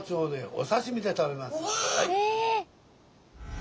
お。